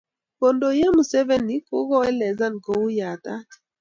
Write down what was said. Kondoi eng Museveni kokeelezan kou yatat.